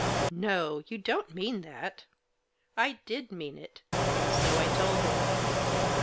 " No ! You don't mean that ?" I did mean it, and so I told him.